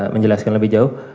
menjelaskan lebih jauh